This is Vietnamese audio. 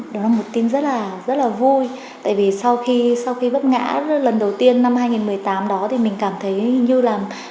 đó là một tin rất là vui tại vì sau khi bất ngã lần đầu tiên năm hai nghìn một mươi tám đó thì mình cảm thấy như là